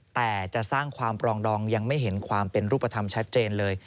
แต่จะสร้างความปรองดองยังไม่เห็นความเป็นรูปธรรมชัดเจนเลย